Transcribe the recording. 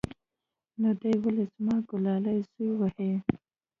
نو دى ولې زما گلالى زوى وهي.